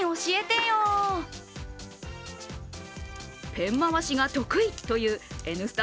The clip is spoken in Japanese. ペン回しが得意という「Ｎスタ